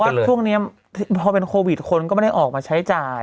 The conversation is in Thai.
ช่วงนี้พอเป็นโควิดคนก็ไม่ได้ออกมาใช้จ่าย